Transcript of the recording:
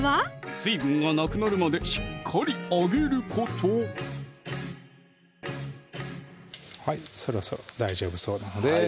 水分がなくなるまでしっかり揚げることそろそろ大丈夫そうなのでは